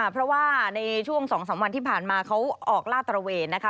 เพราะว่าในช่วง๒๓วันที่ผ่านมาเขาออกลาดตระเวนนะคะ